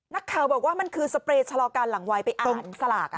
นักข่าวบอกว่ามันคือสเปรย์ชะลอการหลังวัยไปอ่านสลาก